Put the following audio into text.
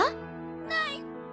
ない。